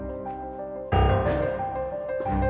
mungkin gue bisa dapat petunjuk lagi disini